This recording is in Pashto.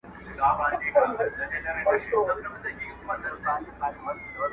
لا تور دلته غالب دی سپین میدان ګټلی نه دی,